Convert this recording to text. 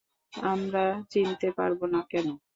আমরা চিনতে পারব না কেন?